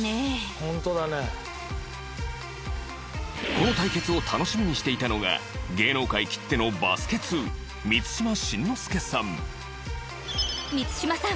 この対決を楽しみにしていたのが芸能界きってのバスケ通満島真之介さん満島さん！